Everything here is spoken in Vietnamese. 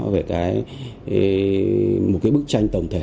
về một bức tranh tổng thể